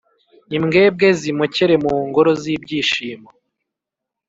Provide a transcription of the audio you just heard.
imbwebwe zimokere mu ngoro z’ibyishimo.